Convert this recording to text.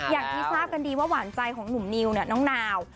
อย่างที่ทราบกันดีว่าหวานใจของหนุ่มนิวเนี่ยน้องนาว